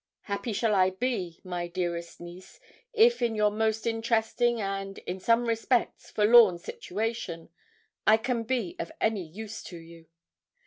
Happy shall I be, my dearest niece, if in your most interesting and, in some respects, forlorn situation, I can be of any use to you.